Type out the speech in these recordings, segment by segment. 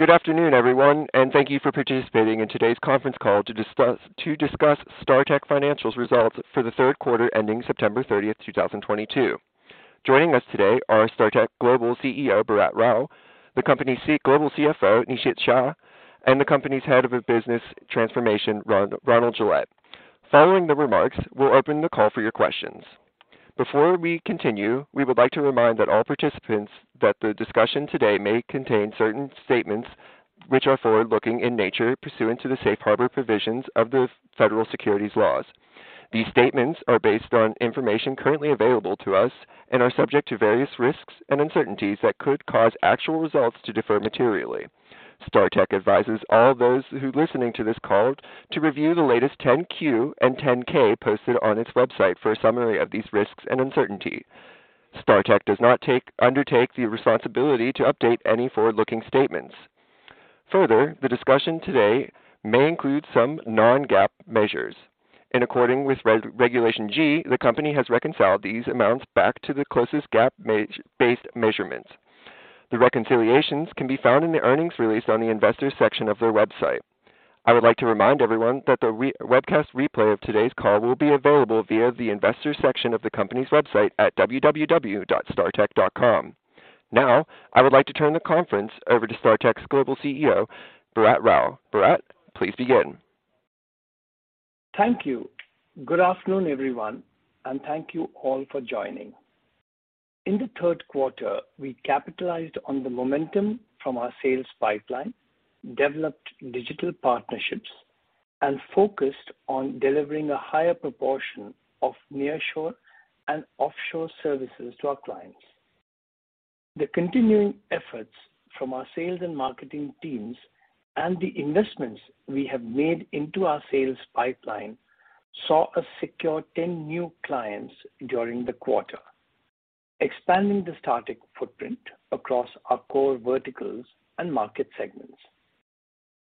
Good afternoon, everyone, and thank you for participating in today's conference call to discuss Startek financial results for the third quarter ending September 30th, 2022. Joining us today are Startek Global CEO Bharat Rao, the company's Global CFO Nishit Shah, and the company's Head of Business Transformation Ronald Gillette. Following the remarks, we'll open the call for your questions. Before we continue, we would like to remind all participants that the discussion today may contain certain statements which are forward-looking in nature pursuant to the safe harbor provisions of the Federal Securities Laws. These statements are based on information currently available to us and are subject to various risks and uncertainties that could cause actual results to differ materially. Startek advises all those who are listening to this call to review the latest 10-Q and 10-K posted on its website for a summary of these risks and uncertainties. Startek does not undertake the responsibility to update any forward-looking statements. Further, the discussion today may include some non-GAAP measures. In accordance with Regulation G, the company has reconciled these amounts back to the closest GAAP-based measurements. The reconciliations can be found in the earnings release on the investor section of their website. I would like to remind everyone that the webcast replay of today's call will be available via the investor section of the company's website at www.startek.com. Now, I would like to turn the call over to Startek's Global CEO, Bharat Rao. Bharat, please begin. Thank you. Good afternoon, everyone, and thank you all for joining. In the third quarter, we capitalized on the momentum from our sales pipeline, developed digital partnerships, and focused on delivering a higher proportion of nearshore and offshore services to our clients. The continuing efforts from our sales and marketing teams and the investments we have made into our sales pipeline saw us secure 10 new clients during the quarter, expanding the Startek footprint across our core verticals and market segments.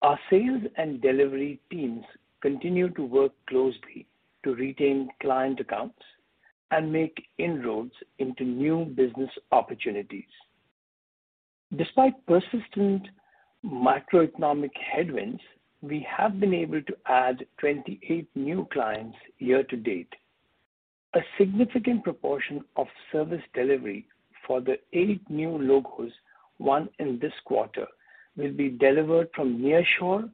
Our sales and delivery teams continue to work closely to retain client accounts and make inroads into new business opportunities. Despite persistent macroeconomic headwinds, we have been able to add 28 new clients year to date. A significant proportion of service delivery for the eight new logos won in this quarter will be delivered from nearshore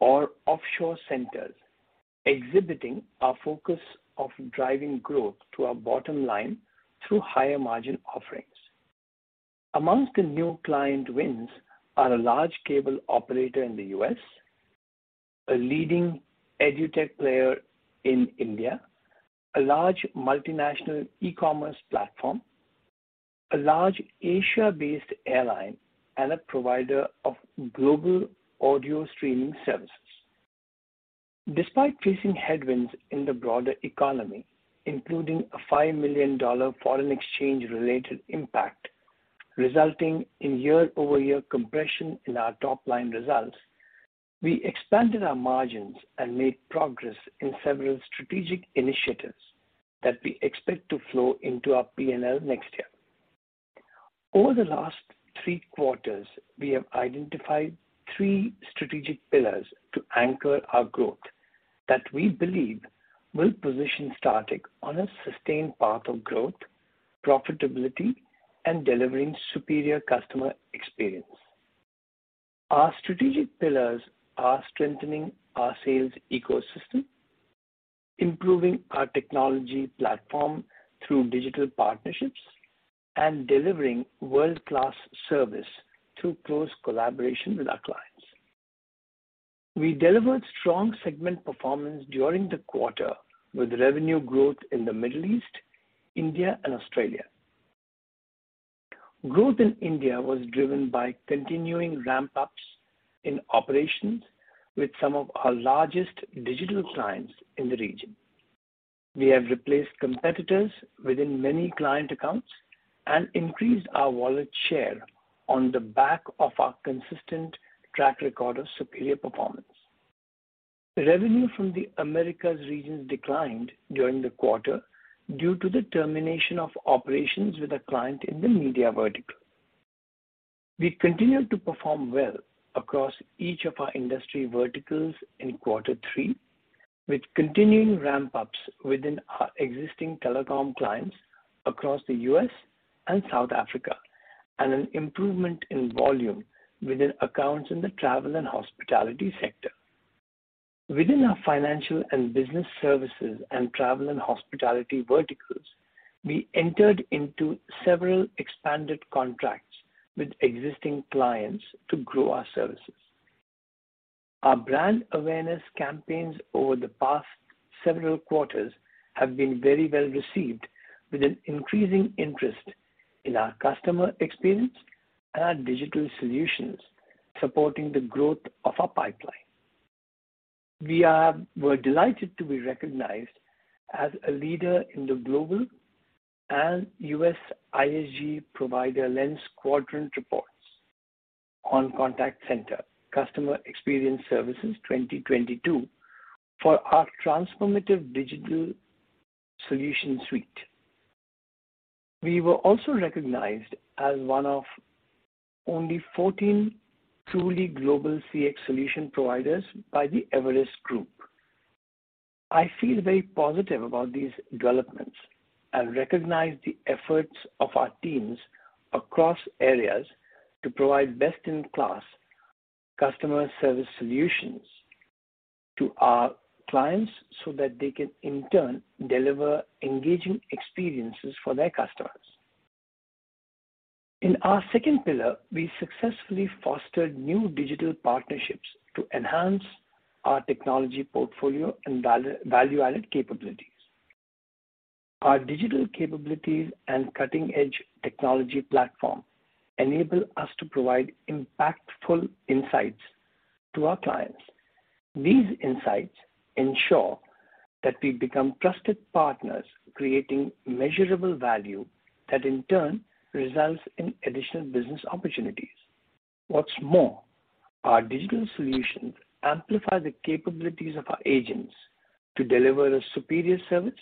or offshore centers, exhibiting our focus of driving growth to our bottom line through higher margin offerings. Among the new client wins are a large cable operator in the U.S., a leading edtech player in India, a large multinational e-commerce platform, a large Asia-based airline, and a provider of global audio streaming services. Despite facing headwinds in the broader economy, including a $5 million foreign exchange related impact resulting in year-over-year compression in our top line results, we expanded our margins and made progress in several strategic initiatives that we expect to flow into our P&L next year. Over the last three quarters, we have identified three strategic pillars to anchor our growth that we believe will position Startek on a sustained path of growth, profitability, and delivering superior customer experience. Our strategic pillars are strengthening our sales ecosystem, improving our technology platform through digital partnerships, and delivering world-class service through close collaboration with our clients. We delivered strong segment performance during the quarter with revenue growth in the Middle East, India and Australia. Growth in India was driven by continuing ramp ups in operations with some of our largest digital clients in the region. We have replaced competitors within many client accounts and increased our wallet share on the back of our consistent track record of superior performance. Revenue from the Americas region declined during the quarter due to the termination of operations with a client in the media vertical. We continued to perform well across each of our industry verticals in quarter three, with continuing ramp ups within our existing telecom clients across the U.S. and South Africa, and an improvement in volume within accounts in the travel and hospitality sector. Within our financial and business services and travel and hospitality verticals, we entered into several expanded contracts with existing clients to grow our services. Our brand awareness campaigns over the past several quarters have been very well received with an increasing interest in our customer experience and digital solutions supporting the growth of our pipeline. We were delighted to be recognized as a leader in the global and U.S. ISG Provider Lens quadrant reports on contact center customer experience services 2022 for our transformative digital solution suite. We were also recognized as one of only 14 truly global CX solution providers by the Everest Group. I feel very positive about these developments and recognize the efforts of our teams across areas to provide best-in-class customer service solutions to our clients so that they can in turn deliver engaging experiences for their customers. In our second pillar, we successfully fostered new digital partnerships to enhance our technology portfolio and value-added capabilities. Our digital capabilities and cutting-edge technology platform enable us to provide impactful insights to our clients. These insights ensure that we become trusted partners, creating measurable value that in turn results in additional business opportunities. What's more, our digital solutions amplify the capabilities of our agents to deliver a superior service,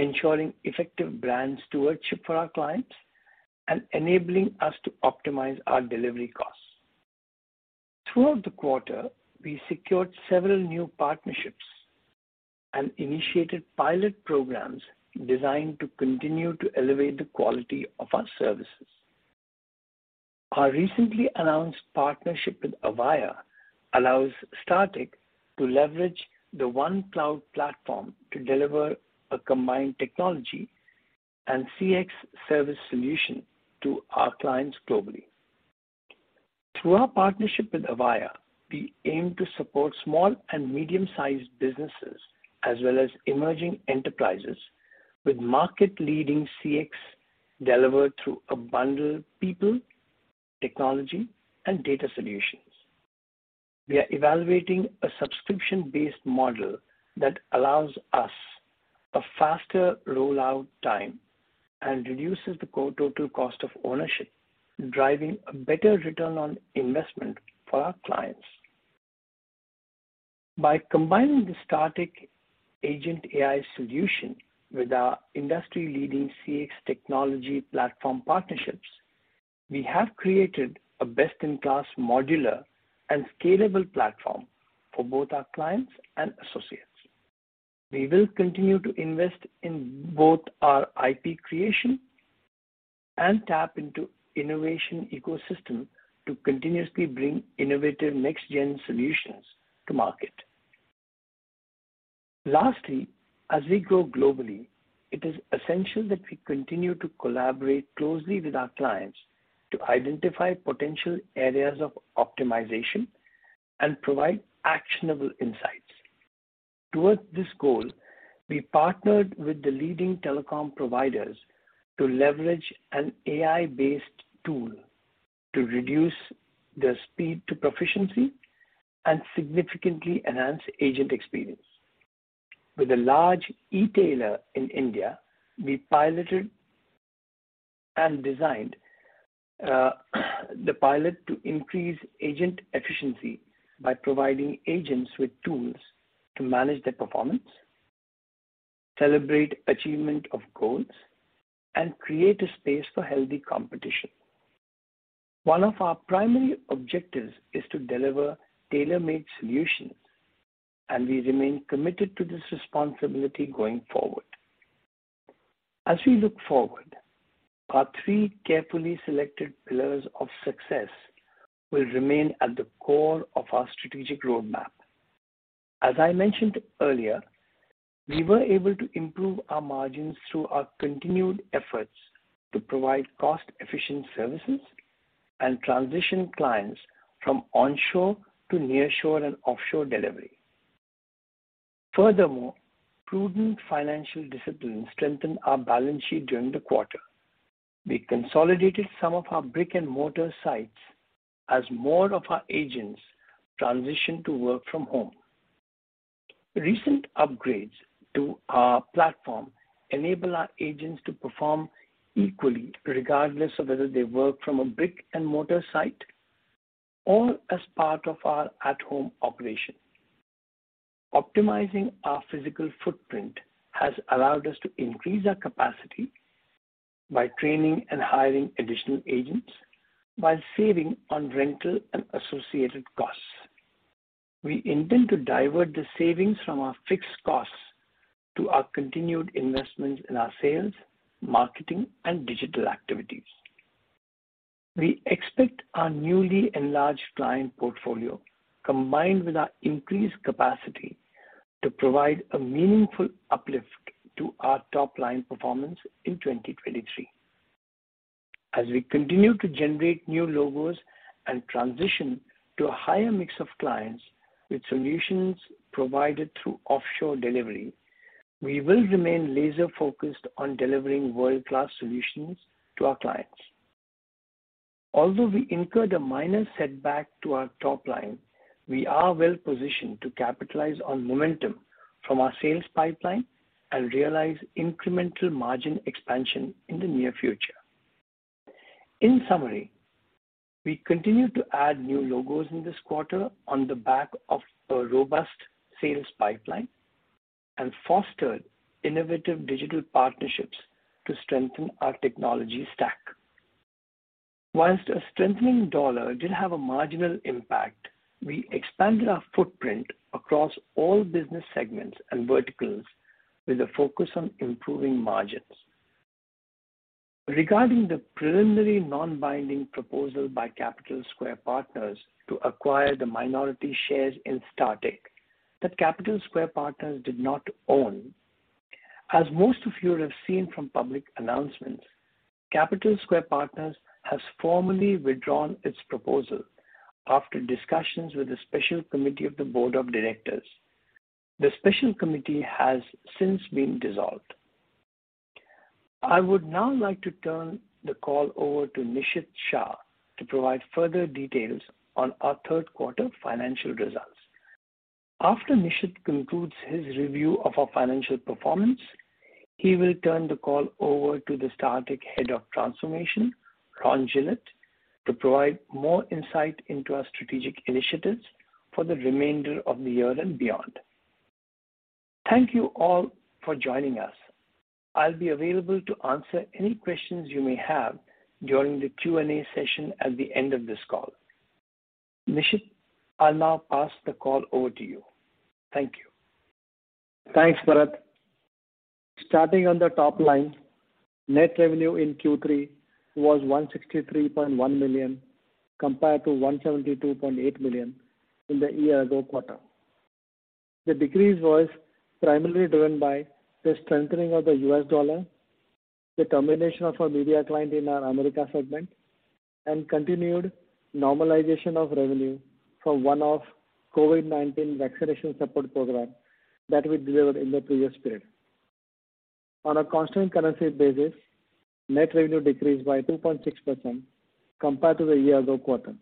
ensuring effective brand stewardship for our clients and enabling us to optimize our delivery costs. Throughout the quarter, we secured several new partnerships and initiated pilot programs designed to continue to elevate the quality of our services. Our recently announced partnership with Avaya allows Startek to leverage the Avaya OneCloud platform to deliver a combined technology and CX service solution to our clients globally. Through our partnership with Avaya, we aim to support small and medium-sized businesses as well as emerging enterprises with market-leading CX delivered through a bundle of people, technology, and data solutions. We are evaluating a subscription-based model that allows us a faster rollout time and reduces the total cost of ownership, driving a better return on investment for our clients. By combining the Startek Agent AI solution with our industry-leading CX technology platform partnerships, we have created a best-in-class modular and scalable platform for both our clients and associates. We will continue to invest in both our IP creation and tap into the innovation ecosystem to continuously bring innovative next-gen solutions to market. Lastly, as we grow globally, it is essential that we continue to collaborate closely with our clients to identify potential areas of optimization and provide actionable insights. Towards this goal, we partnered with the leading telecom providers to leverage an AI-based tool to reduce the speed to proficiency and significantly enhance agent experience. With a large e-tailer in India, we piloted and designed the pilot to increase agent efficiency by providing agents with tools to manage their performance, celebrate achievement of goals, and create a space for healthy competition. One of our primary objectives is to deliver tailor-made solutions, and we remain committed to this responsibility going forward. As we look forward, our three carefully selected pillars of success will remain at the core of our strategic roadmap. As I mentioned earlier, we were able to improve our margins through our continued efforts to provide cost-efficient services and transition clients from onshore to nearshore and offshore delivery. Furthermore, prudent financial discipline strengthened our balance sheet during the quarter. We consolidated some of our brick-and-mortar sites as more of our agents transitioned to work from home. Recent upgrades to our platform enable our agents to perform equally, regardless of whether they work from a brick-and-mortar site or as part of our at-home operation. Optimizing our physical footprint has allowed us to increase our capacity by training and hiring additional agents while saving on rental and associated costs. We intend to divert the savings from our fixed costs to our continued investments in our sales, marketing, and digital activities. We expect our newly enlarged client portfolio, combined with our increased capacity to provide a meaningful uplift to our top line performance in 2023. As we continue to generate new logos and transition to a higher mix of clients with solutions provided through offshore delivery, we will remain laser-focused on delivering world-class solutions to our clients. Although we incurred a minor setback to our top line, we are well positioned to capitalize on momentum from our sales pipeline and realize incremental margin expansion in the near future. In summary, we continued to add new logos in this quarter on the back of a robust sales pipeline and fostered innovative digital partnerships to strengthen our technology stack. While a strengthening dollar did have a marginal impact, we expanded our footprint across all business segments and verticals with a focus on improving margins. Regarding the preliminary non-binding proposal by Capital Square Partners to acquire the minority shares in Startek that Capital Square Partners did not own. As most of you have seen from public announcements, Capital Square Partners has formally withdrawn its proposal after discussions with the special committee of the board of directors. The special committee has since been dissolved. I would now like to turn the call over to Nishit Shah to provide further details on our third quarter financial results. After Nishit concludes his review of our financial performance, he will turn the call over to the Startek Head of Business Transformation, Ron Gillette, to provide more insight into our strategic initiatives for the remainder of the year and beyond. Thank you all for joining us. I'll be available to answer any questions you may have during the Q&A session at the end of this call. Nishit, I'll now pass the call over to you. Thank you. Thanks, Bharat. Starting on the top line, net revenue in Q3 was $163.1 million, compared to $172.8 million in the year ago quarter. The decrease was primarily driven by the strengthening of the US dollar, the termination of our media client in our America segment, and continued normalization of revenue from one-off COVID-19 vaccination support program that we delivered in the previous period. On a constant currency basis, net revenue decreased by 2.6% compared to the year ago quarter.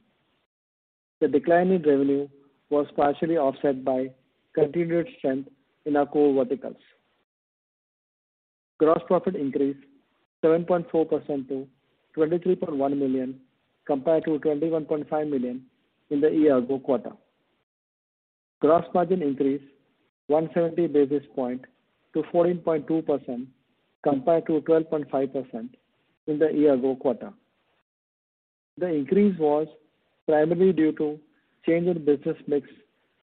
The decline in revenue was partially offset by continued strength in our core verticals. Gross profit increased 7.4% to $23.1 million, compared to $21.5 million in the year ago quarter. Gross margin increased 170 basis points to 14.2%, compared to 12.5% in the year ago quarter. The increase was primarily due to change in business mix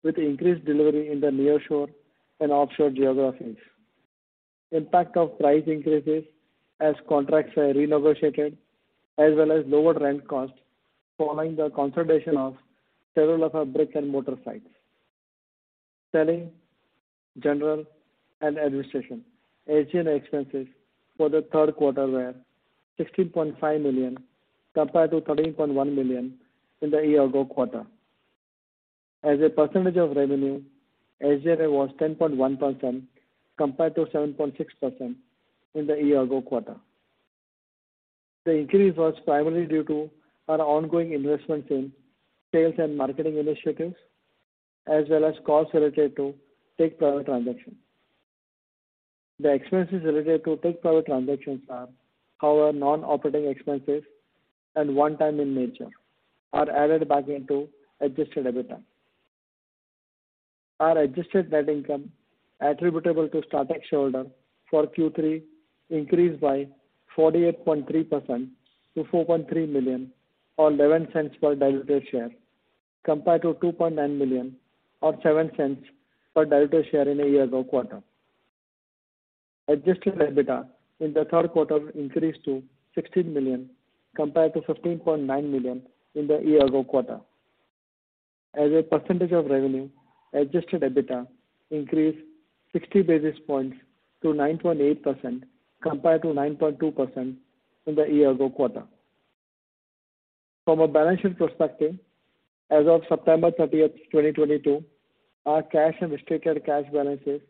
with increased delivery in the nearshore and offshore geographies. Impact of price increases as contracts are renegotiated, as well as lower rent costs following the consolidation of several of our brick-and-mortar sites. Selling, general, and administration, SG&A expenses for the third quarter were $16.5 million, compared to $13.1 million in the year-ago quarter. As a percentage of revenue, SG&A was 10.1% compared to 7.6% in the year-ago quarter. The increase was primarily due to our ongoing investments in sales and marketing initiatives, as well as costs related to Take Private transactions. The expenses related to Take Private transactions are our non-operating expenses and one-time in nature, are added back into adjusted EBITDA. Our adjusted net income attributable to Startek shareholders for Q3 increased by 48.3% to $4.3 million or $0.11 per diluted share, compared to $2.9 million or $0.07 per diluted share in the year ago quarter. Adjusted EBITDA in the third quarter increased to $16 million compared to $15.9 million in the year ago quarter. As a percentage of revenue, adjusted EBITDA increased 60 basis points to 9.8% compared to 9.2% in the year ago quarter. From a financial perspective, as of September 30th, 2022, our cash and restricted cash balances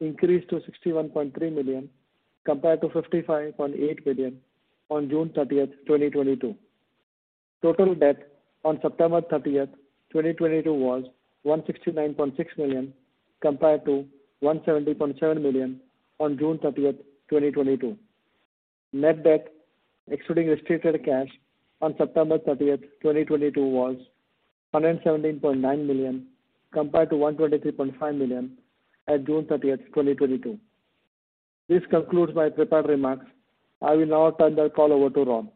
increased to $61.3 million, compared to $55.8 million on June 30th, 2022. Total debt on September 30th, 2022 was $169.6 million compared to $170.7 million on June 30th, 2022. Net debt, excluding restricted cash on September 30th, 2022 was $117.9 million compared to $123.5 million at June 30th, 2022. This concludes my prepared remarks. I will now turn the call over to Ron.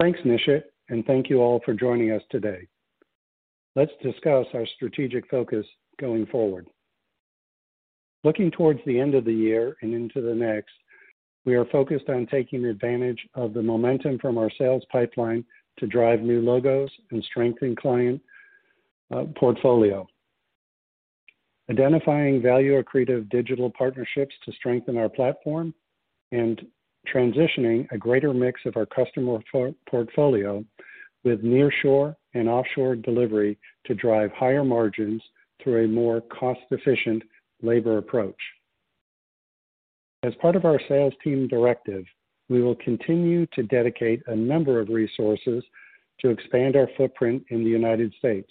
Thanks, Nishit, and thank you all for joining us today. Let's discuss our strategic focus going forward. Looking towards the end of the year and into the next, we are focused on taking advantage of the momentum from our sales pipeline to drive new logos and strengthen client portfolio. Identifying value accretive digital partnerships to strengthen our platform and transitioning a greater mix of our customer portfolio with nearshore and offshore delivery to drive higher margins through a more cost-efficient labor approach. As part of our sales team directive, we will continue to dedicate a number of resources to expand our footprint in the United States.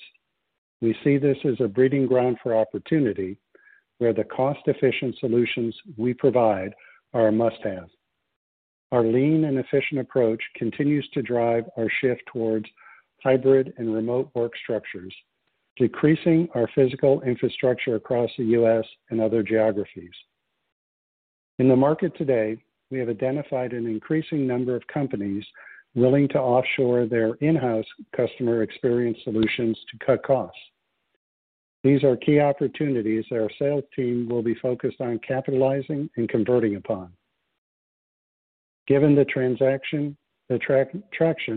We see this as a breeding ground for opportunity where the cost-efficient solutions we provide are a must-have. Our lean and efficient approach continues to drive our shift towards hybrid and remote work structures, decreasing our physical infrastructure across the U.S. and other geographies. In the market today, we have identified an increasing number of companies willing to offshore their in-house customer experience solutions to cut costs. These are key opportunities that our sales team will be focused on capitalizing and converting upon. Given the traction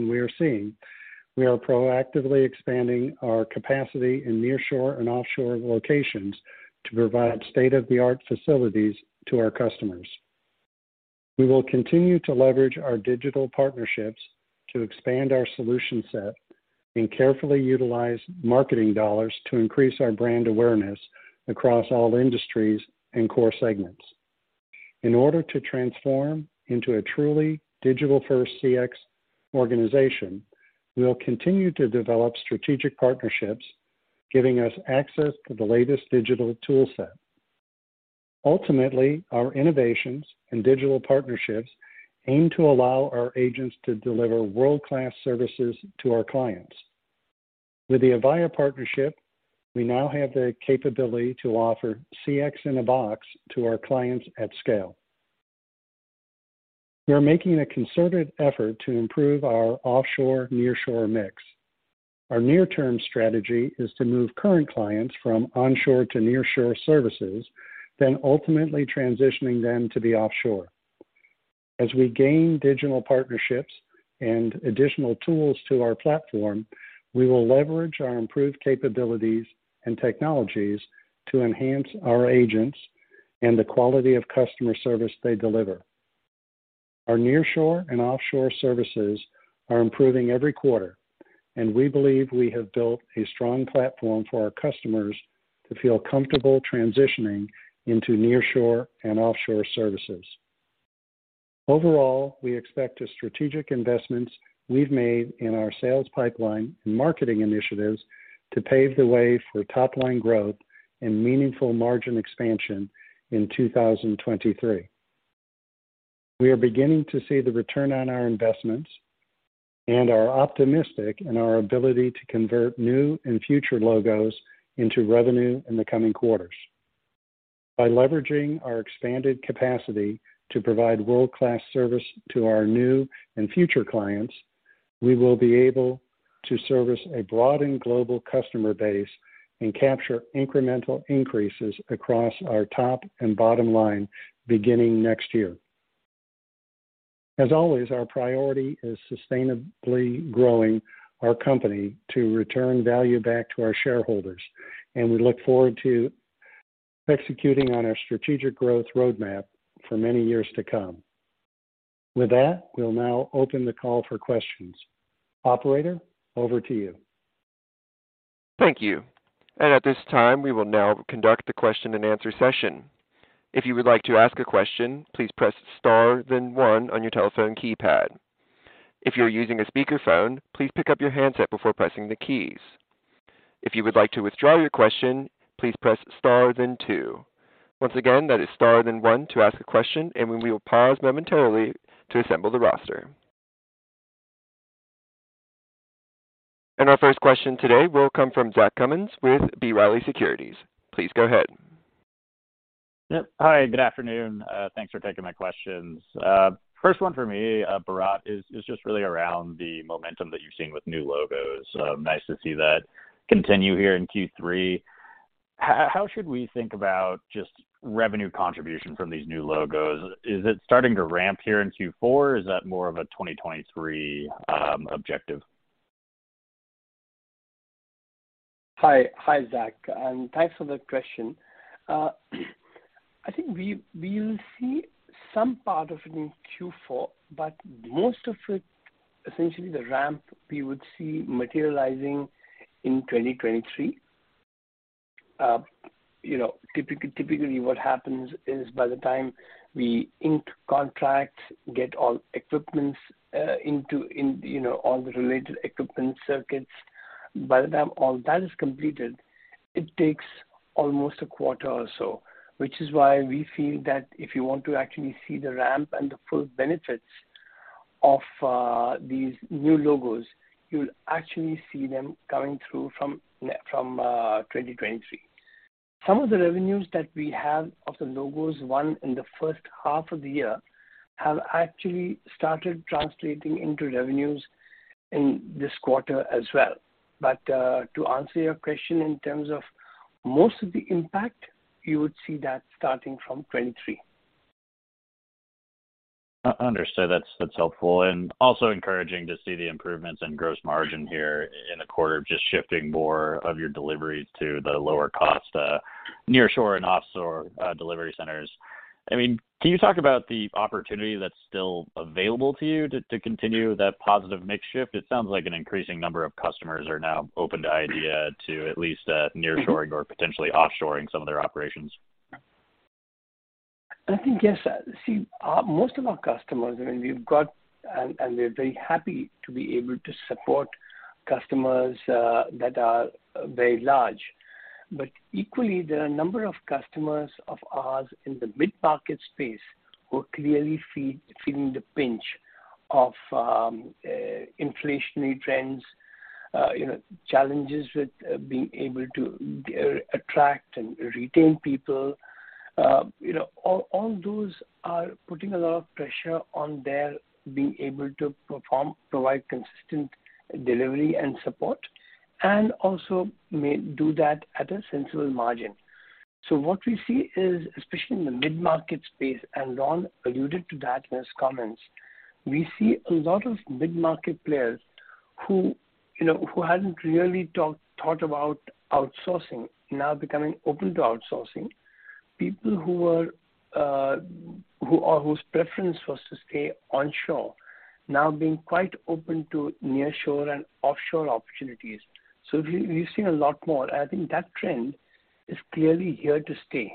we are seeing, we are proactively expanding our capacity in nearshore and offshore locations to provide state-of-the-art facilities to our customers. We will continue to leverage our digital partnerships to expand our solution set and carefully utilize marketing dollars to increase our brand awareness across all industries and core segments. In order to transform into a truly digital-first CX organization, we will continue to develop strategic partnerships, giving us access to the latest digital tool set. Ultimately, our innovations and digital partnerships aim to allow our agents to deliver world-class services to our clients. With the Avaya partnership, we now have the capability to offer CX in a box to our clients at scale. We are making a concerted effort to improve our offshore, nearshore mix. Our near-term strategy is to move current clients from onshore to nearshore services, then ultimately transitioning them to the offshore. As we gain digital partnerships and additional tools to our platform, we will leverage our improved capabilities and technologies to enhance our agents and the quality of customer service they deliver. Our nearshore and offshore services are improving every quarter, and we believe we have built a strong platform for our customers to feel comfortable transitioning into nearshore and offshore services. Overall, we expect the strategic investments we've made in our sales pipeline and marketing initiatives to pave the way for top-line growth and meaningful margin expansion in 2023. We are beginning to see the return on our investments and are optimistic in our ability to convert new and future logos into revenue in the coming quarters. By leveraging our expanded capacity to provide world-class service to our new and future clients, we will be able to service a broadened global customer base and capture incremental increases across our top and bottom line beginning next year. As always, our priority is sustainably growing our company to return value back to our shareholders, and we look forward to executing on our strategic growth roadmap for many years to come. With that, we'll now open the call for questions. Operator, over to you. Thank you. At this time, we will now conduct the question and answer session. If you would like to ask a question, please press star then one on your telephone keypad. If you're using a speakerphone, please pick up your handset before pressing the keys. If you would like to withdraw your question, please press star then two. Once again, that is star then one to ask a question, and we will pause momentarily to assemble the roster. Our first question today will come from Zach Cummins with B. Riley Securities. Please go ahead. Yep. Hi, good afternoon. Thanks for taking my questions. First one for me, Bharat, is just really around the momentum that you're seeing with new logos. Nice to see that continue here in Q3. How should we think about just revenue contribution from these new logos? Is it starting to ramp here in Q4, or is that more of a 2023 objective? Hi, Zach, and thanks for that question. I think we'll see some part of it in Q4, but most of it, essentially the ramp, we would see materializing in 2023. You know, typically what happens is by the time we ink contracts, get all equipment into you know, all the related equipment circuits, by the time all that is completed, it takes almost a quarter or so, which is why we feel that if you want to actually see the ramp and the full benefits of these new logos, you'll actually see them coming through from 2023. Some of the revenues that we have of the logos won in the first half of the year have actually started translating into revenues in this quarter as well. To answer your question in terms of most of the impact, you would see that starting from 2023. Understood. That's helpful and also encouraging to see the improvements in gross margin here in a quarter of just shifting more of your deliveries to the lower cost nearshore and offshore delivery centers. I mean, can you talk about the opportunity that's still available to you to continue that positive mix shift? It sounds like an increasing number of customers are now open to the idea of at least nearshoring or potentially offshoring some of their operations. I think, yes. See, most of our customers, I mean, we're very happy to be able to support customers that are very large. Equally, there are a number of customers of ours in the mid-market space who are clearly feeling the pinch of inflationary trends, you know, challenges with being able to attract and retain people. You know, all those are putting a lot of pressure on their being able to perform, provide consistent delivery and support, and also may do that at a sensible margin. What we see is, especially in the mid-market space, and Ron alluded to that in his comments, we see a lot of mid-market players who, you know, who hadn't really thought about outsourcing now becoming open to outsourcing. People whose preference was to stay onshore now being quite open to nearshore and offshore opportunities. We've seen a lot more. I think that trend is clearly here to stay.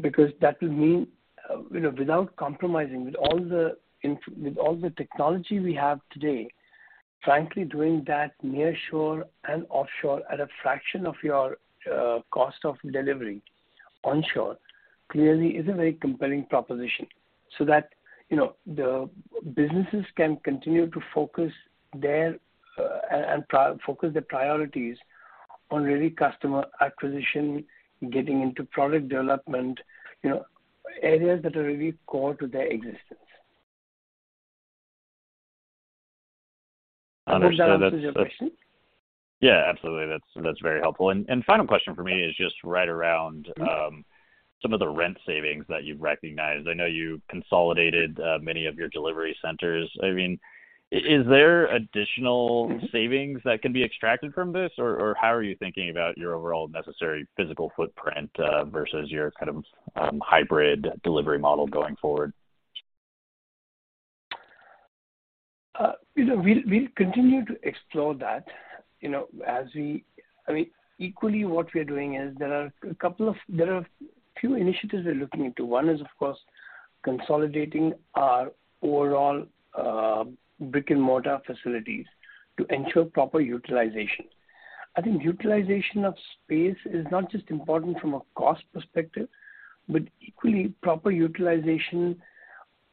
Because that will mean, you know, without compromising, with all the technology we have today, frankly, doing that nearshore and offshore at a fraction of your cost of delivery onshore clearly is a very compelling proposition. So that, you know, the businesses can continue to focus their priorities on really customer acquisition, getting into product development, you know, areas that are really core to their existence. Understood. That's. I hope that answers your question. Yeah, absolutely. That's very helpful. And final question for me is just right around some of the rent savings that you've recognized. I know you consolidated many of your delivery centers. I mean, is there additional savings that can be extracted from this? Or how are you thinking about your overall necessary physical footprint versus your kind of hybrid delivery model going forward? You know, we'll continue to explore that, you know, as we I mean, equally, what we are doing is there are a few initiatives we're looking into. One is, of course, consolidating our overall brick-and-mortar facilities to ensure proper utilization. I think utilization of space is not just important from a cost perspective, but equally proper utilization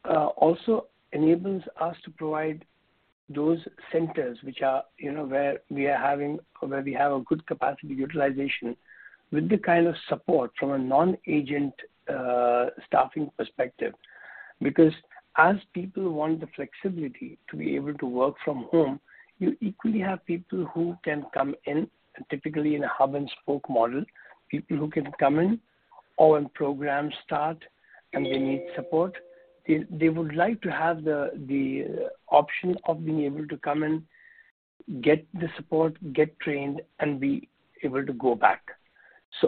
also enables us to provide those centers which are, you know, where we are having or where we have a good capacity utilization with the kind of support from a non-agent staffing perspective. Because as people want the flexibility to be able to work from home, you equally have people who can come in, and typically in a hub and spoke model, people who can come in or when programs start and they need support, they would like to have the option of being able to come in, get the support, get trained, and be able to go back.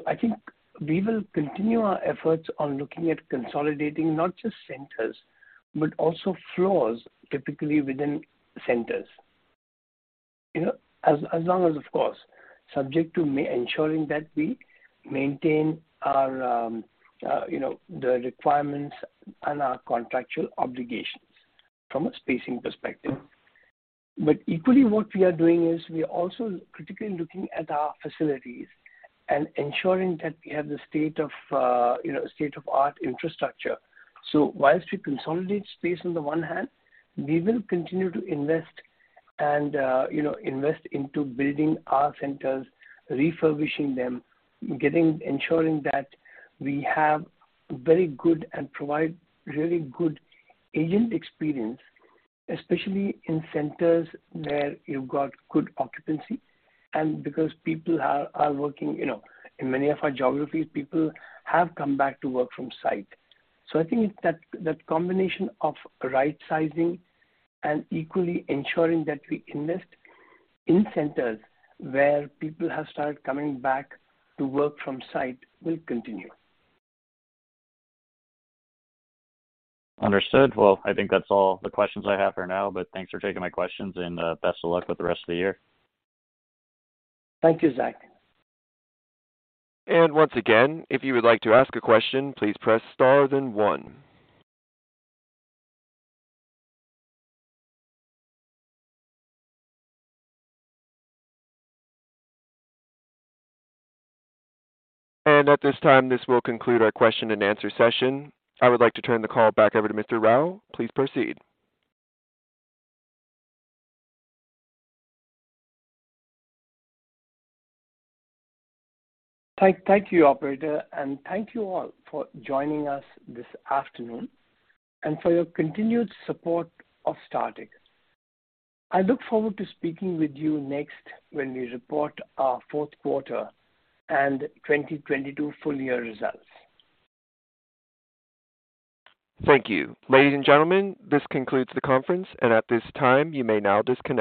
I think we will continue our efforts on looking at consolidating not just centers, but also floors typically within centers. You know, as long as, of course, subject to me ensuring that we maintain our, you know, the requirements and our contractual obligations from a spacing perspective. Equally what we are doing is we are also critically looking at our facilities and ensuring that we have the state-of-the-art infrastructure. While we consolidate space on the one hand, we will continue to invest and, you know, invest into building our centers, refurbishing them, ensuring that we have very good and provide really good agent experience, especially in centers where you've got good occupancy. Because people are working, you know, in many of our geographies, people have come back to work from site. I think it's that combination of right sizing and equally ensuring that we invest in centers where people have started coming back to work from site will continue. Understood. Well, I think that's all the questions I have for now, but thanks for taking my questions and, best of luck with the rest of the year. Thank you, Zach. Once again, if you would like to ask a question, please press star then one. At this time, this will conclude our question and answer session. I would like to turn the call back over to Mr. Rao. Please proceed. Thank you, operator, and thank you all for joining us this afternoon and for your continued support of Startek. I look forward to speaking with you next when we report our fourth quarter and 2022 full year results. Thank you. Ladies and gentlemen, this concludes the conference and at this time, you may now disconnect.